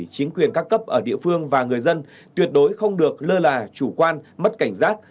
chính quyền các cấp ở địa phương và người dân tuyệt đối không được lơ là chủ quan mất cảnh giác